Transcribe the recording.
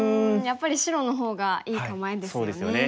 やっぱり白の方がいい構えですよね。